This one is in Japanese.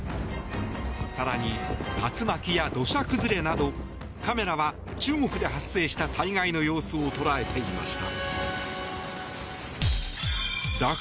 更に竜巻や土砂崩れなどカメラは、中国で発生した災害の様子を捉えていました。